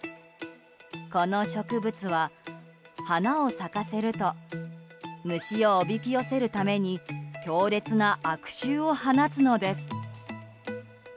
この植物は花を咲かせると虫をおびき寄せるために強烈な悪臭を放つのです。